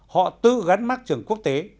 họ tư gắn mắt trường quốc tế